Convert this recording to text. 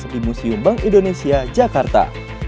di museum bank indonesia jakarta